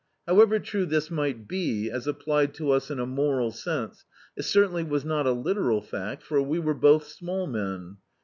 However true this mig^t be as applied to us in a moral sense, it certainly was not a literal fact, for we were both small men.